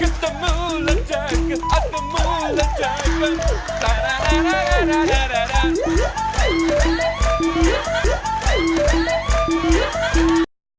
สวัสดีครับทุกคน